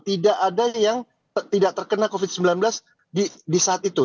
tidak ada yang tidak terkena covid sembilan belas di saat itu